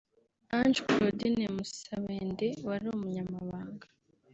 Ange Claudine Musabende wari umunyamabanga